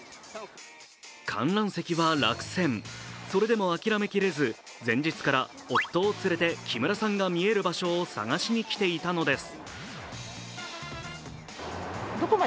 観覧席は落選それでも諦めきれず、前日から夫を連れて木村さんが見える場所を探しに来ていたのです。